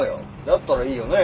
だったらいいよね？